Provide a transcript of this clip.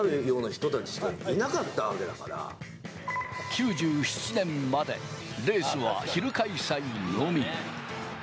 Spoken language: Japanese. ９７年までレースは昼開催のみ。